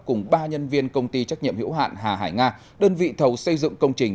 cùng ba nhân viên công ty trách nhiệm hiểu hạn hà hải nga đơn vị thầu xây dựng công trình